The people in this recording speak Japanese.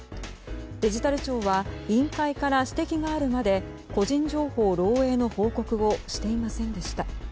デジタル庁は委員会から指摘があるまで個人情報漏洩の報告をしていませんでした。